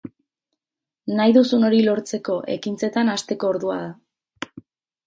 Nahi duzun hori lortzeko ekintzetan hasteko ordua da.